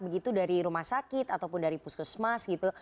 begitu dari rumah sakit ataupun dari puskesmas gitu